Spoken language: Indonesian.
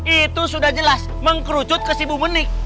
itu sudah jelas mengkerucut ke si bu menik